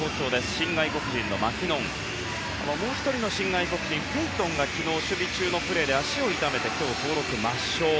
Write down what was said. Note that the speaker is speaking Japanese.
新外国人のマキノンもう１人の新外国人、ペイトンが昨日、守備中のプレーで足を痛めて今日、登録抹消。